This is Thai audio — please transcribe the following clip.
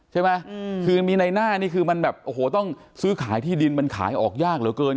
ใช่ไหมคือมีในหน้านี่คือมันแบบโอ้โหต้องซื้อขายที่ดินมันขายออกยากเหลือเกิน